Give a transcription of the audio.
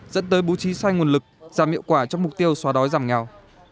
dẫn tới bố trí sai nguồn lực giảm hiệu quả trong mục tiêu xóa đói giảm nghèo